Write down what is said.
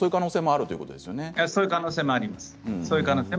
そういう可能性もあります。